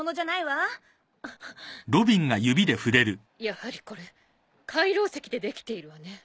やはりこれ海楼石でできているわね。